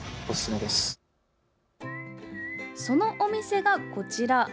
そのお店が、こちら。